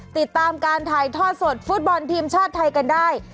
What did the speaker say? ติดตามการถ่ายทอดสดฟุตบอลทีมชาติไทยกันได้